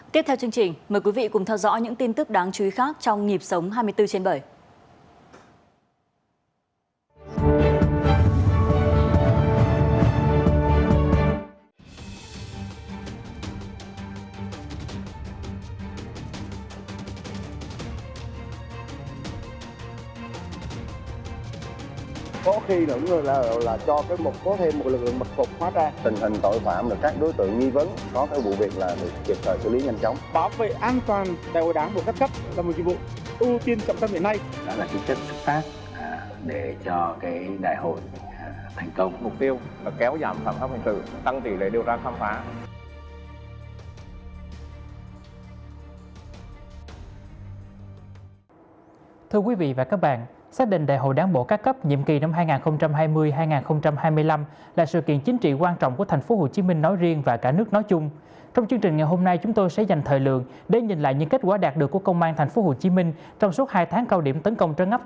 tiếp theo chương trình mời quý vị cùng theo dõi những tin tức đáng chú ý khác trong nghiệp sống hai mươi bốn trên bảy